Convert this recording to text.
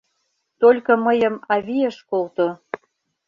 — Только мыйым авий ыш колто.